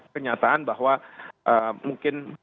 kenyataan bahwa mungkin